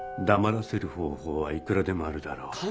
黙らせる方法はいくらでもあるだろう。